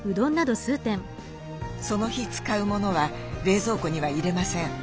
その日使うものは冷蔵庫には入れません。